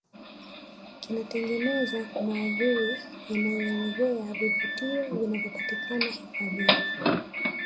kinatengeneza maudhui yanayoelezea vivutio vinavyopatikana hifadhini